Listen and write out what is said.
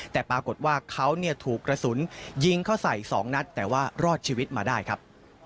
แต่ปรากฏว่าเขาถูกกระสุนยิงเข้าใส่๒นัดแต่ว่ารอดชีวิตมาได้ครับ